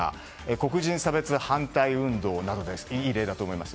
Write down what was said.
黒人差別反対運動などがいい例だと思います。